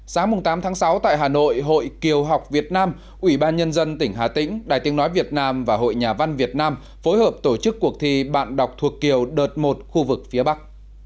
sáng tám tháng sáu tại hà nội hội kiều học việt nam ủy ban nhân dân tỉnh hà tĩnh đài tiếng nói việt nam và hội nhà văn việt nam phối hợp tổ chức cuộc thi bạn đọc thuộc kiều đợt một khu vực phía bắc